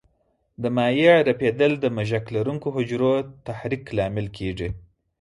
د مایع رپېدل د مژک لرونکو حجرو تحریک لامل کېږي.